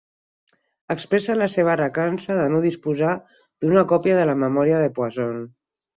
Expressa la seva recança de no disposar d'una còpia de la memòria de Poisson.